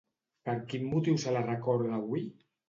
Per quin motiu se la recorda avui?